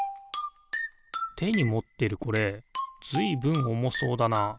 てにもってるこれずいぶんおもそうだな。